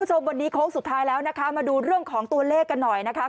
คุณผู้ชมวันนี้โค้งสุดท้ายแล้วนะคะมาดูเรื่องของตัวเลขกันหน่อยนะคะ